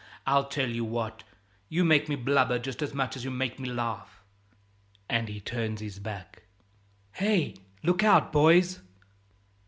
I'll tell you what you make me blubber just as much as you make me laugh!" And he turns his back. "Hey, look out, boys!"